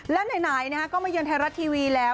และไหนก็มาเยือนไทยรัฐทีวีแล้ว